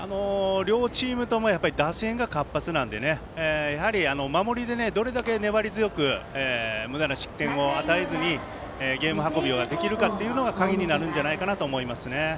両チームとも打線が活発なので守りでどれだけ粘り強くむだな失点を与えずにゲーム運びができるかが鍵になるんじゃないかと思います。